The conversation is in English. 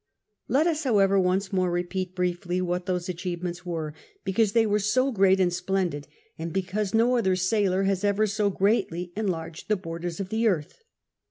Let us, however, once more repeat briefly what those achievements were, because they were so great and splendid, and because no other sailor has ever so greatly enlarged the borders of the earth.